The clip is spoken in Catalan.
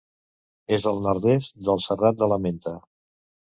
És al nord-est del Serrat de la Menta.